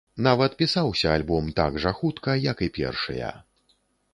Нават пісаўся альбом так жа хутка, як і першыя.